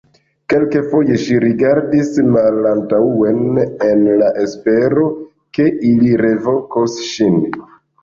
Kelkfoje ŝi rigardis malantaŭen en la espero ke ili revokos ŝin.